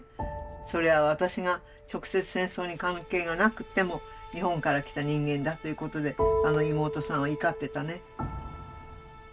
それは私が直接戦争に関係がなくても日本から来た人間だということで妹さんは怒ってたね。